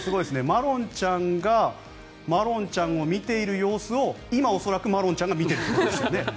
まろんちゃんをまろんちゃんが見ている様子を今、恐らくまろんちゃんが見ているっていうことですもんね。